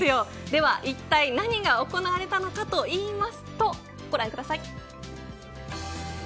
では一体、何が行われたのかと言いますとご覧ください。